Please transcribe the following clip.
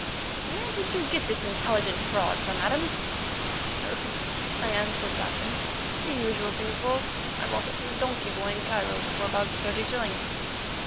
"Hum—where did you get this intelligent fraud from, Adams?" "Oh!" I answered, laughing, "the usual thing, of course. I bought it from a donkey boy in Cairo for about thirty shillings."